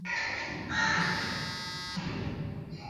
Niko na kazi ya kuchimba shimo ya meta mbili na nusu